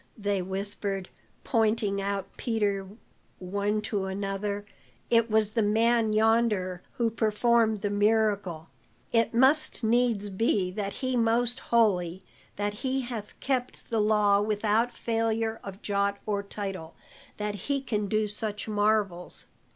they whispered, pointing out Peter one to another, "It was the man yonder who performed the miracle. It must needs be that he is most holy, that he hath kept the law without failure of jot or tittle, that he can do such marvels."